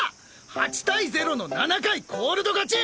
８対０の７回コールド勝ち！